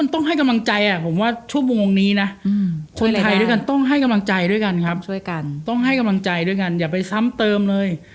ต้องให้กำลังใจด้วยกันครับต้องให้กำลังใจด้วยกันอย่าไปซ้ำเติมเลย